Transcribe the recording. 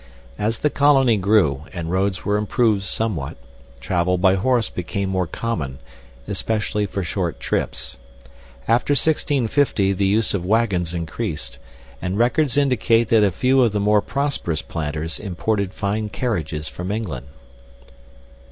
As the colony grew, and roads were improved somewhat, travel by horse became more common, especially for short trips. After 1650 the use of wagons increased, and records indicate that a few of the more prosperous planters imported fine carriages from England.